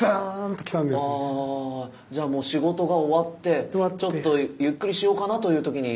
じゃあもう仕事が終わってちょっとゆっくりしようかなという時に。